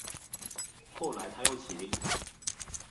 后来他又起兵。